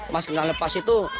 masker yang lepas itu